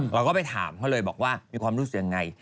เราก็ไปถามเขาเลยบอกว่ามีความรู้สึกยังไง